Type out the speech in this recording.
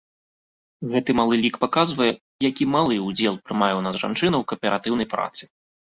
Гэты малы лік паказвае, які малы ўдзел прымае ў нас жанчына ў кааператыўнай працы.